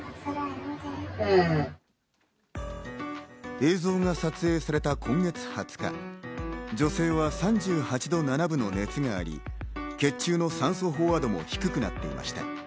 映像が撮影された今月２０日、女性は３８度７分の熱があり、血中の酸素飽和度も低くなっていました。